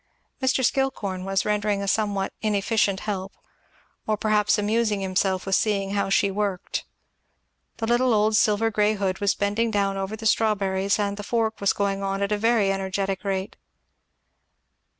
Mr. Skillcorn was rendering a somewhat inefficient help, or perhaps amusing himself with seeing how she worked. The little old silver grey hood was bending down over the strawberries, and the fork was going at a very energetic rate.